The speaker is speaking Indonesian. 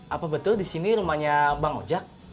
apa betul disini rumahnya bang ojak